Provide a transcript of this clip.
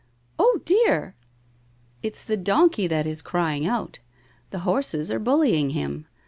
Oh, dear! '' It's the donkey that is crying out. The horses are bullying him.